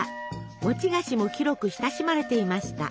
餅菓子も広く親しまれていました。